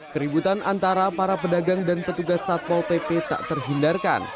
keributan antara para pedagang dan petugas satpol pp tak terhindarkan